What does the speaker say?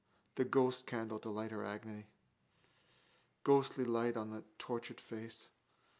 The ghostcandle to light her agony. Ghostly light on the tortured face.